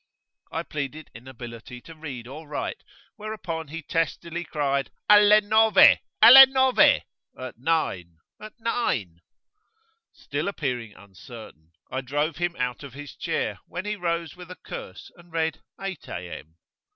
I pleaded inability to read or write, whereupon he testily cried Alle nove! alle nove! at nine! at nine! Still appearing uncertain, I drove him out of his chair, when he rose with a curse and read 8 A.M.